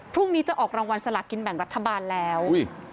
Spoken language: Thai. พรุ่งนี้จะออกรางวัลสลากินแบ่งรัฐบาลแล้วอุ้ย